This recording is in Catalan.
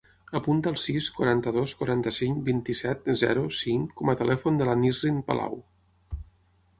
Apunta el sis, quaranta-dos, quaranta-cinc, vint-i-set, zero, cinc com a telèfon de la Nisrin Palau.